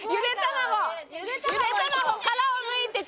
「ゆで卵」！